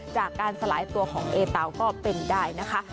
จากการสลายตัวของเอเตาก็เป็นได้นะคะ